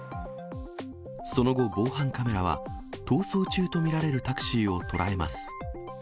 その後、防犯カメラは逃走中と見られるタクシーを捉えます。